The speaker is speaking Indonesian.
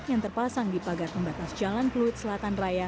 yang terpasang di pagar pembatas jalan pluit selatan raya